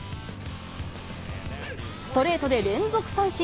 ストレートで連続三振。